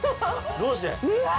どうして？